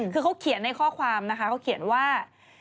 คือเขาเขียนในข้อความนะคะเขาเขียนว่า